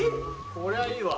こりゃいいわ。